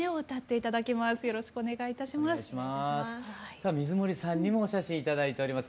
さあ水森さんにもお写真頂いております